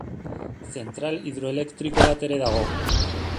Zentral hidroelektriko bat ere dago.